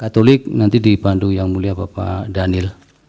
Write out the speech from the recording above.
katolik nanti dibantu yang mulia bapak daniel